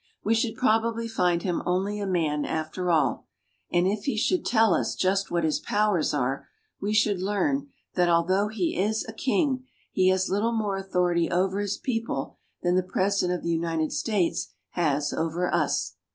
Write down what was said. We should probably find him only a man after all ; and if he should tell us just what his powers are, we should learn that, although he is a king, he has little more authority over his people than the President of the United States has over us.